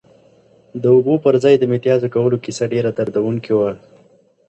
د اوبو پر ځای د متیازو کولو کیسه ډېره دردونکې وه.